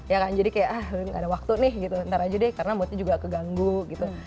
ya kan jadi kayak ah gak ada waktu nih gitu ntar aja deh karena moodnya juga keganggu gitu